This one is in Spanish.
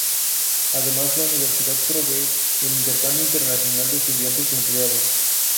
Además, la universidad promueve el intercambio internacional de estudiantes y empleados.